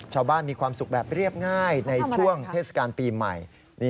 มีความสุขแบบเรียบง่ายในช่วงเทศกาลปีใหม่